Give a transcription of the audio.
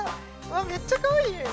めっちゃかわいい。